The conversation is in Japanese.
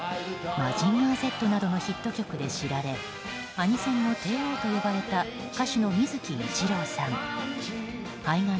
「マジンガーＺ」などのヒット曲で知られアニソンの帝王と呼ばれた歌手の水木一郎さん。